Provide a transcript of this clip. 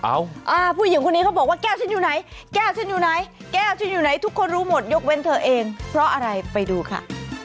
ผู้หญิงคนนี้เขาบอกว่าแก้วฉันอยู่ไหนแก้วฉันอยู่ไหนแก้วฉันอยู่ไหนทุกคนรู้หมดยกเว้นเธอเองเพราะอะไรไปดูค่ะ